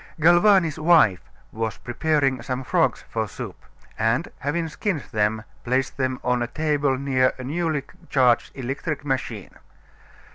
Galvani's wife was preparing some frogs for soup, and having skinned them placed them on a table near a newly charged electric machine.